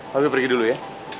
pabie pergi dulu ya